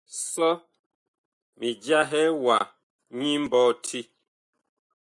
Sɔ mi jahɛ wa nyi mbɔti.